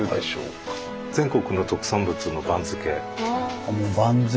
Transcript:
全国の特産物の番付。